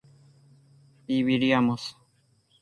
viviríamos